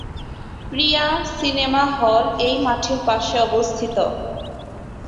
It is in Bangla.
প্রিয়া সিনেমা হলটি এই মাঠের পাশে অবস্থিত।